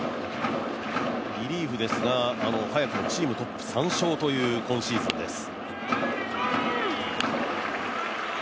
リリーフですが早くもチームトップ３勝という今シーズンです。